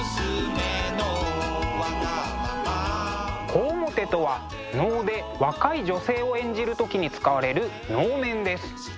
小面とは能で若い女性を演じる時に使われる能面です。